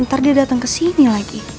ntar dia dateng kesini lagi